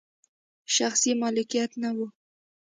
شخصي مالکیت نه و.